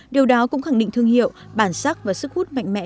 điều đó cũng khẳng định thương hiệu bản sắc và sức hút mạnh mẽ